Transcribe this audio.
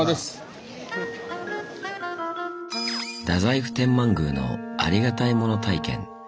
太宰府天満宮のありがたいもの体験。